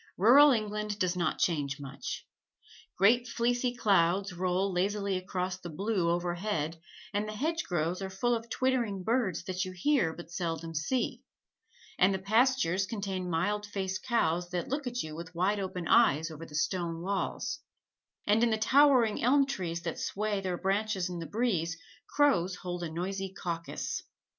Rural England does not change much. Great fleecy clouds roll lazily across the blue, overhead, and the hedgerows are full of twittering birds that you hear but seldom see; and the pastures contain mild faced cows that look at you with wide open eyes over the stone walls; and in the towering elm trees that sway their branches in the breeze crows hold a noisy caucus.